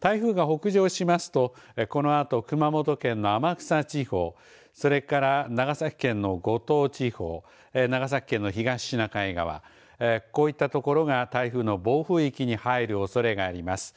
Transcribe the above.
台風が北上しますとこのあと熊本県の天草地方それから長崎県の五島地方長崎県の東シナ海側こういった所が台風の暴風域に入るおそれがあります。